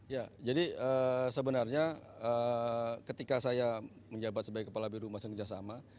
ya jadi sebenarnya ketika saya menjabat sebagai kepala birohumas dan kerjasama